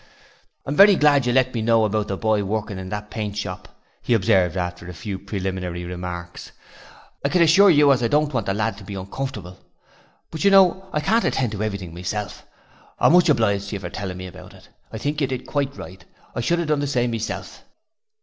'I'm very glad you let me know about the boy working in that paint shop,' he observed after a few preliminary remarks. 'I can assure you as I don't want the lad to be uncomfortable, but you know I can't attend to everything myself. I'm much obliged to you for telling me about it; I think you did quite right; I should have done the same myself.'